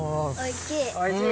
おいしい。